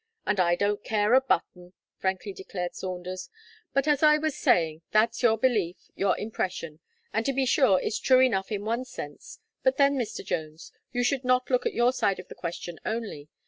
"And I don't care a button," frankly declared Saunders, "but as I was saying, that's your belief, your impression; and to be sure it's true enough in one sense, but then, Mr. Jones, you should not look at your side of the question only.